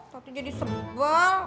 tati jadi sebel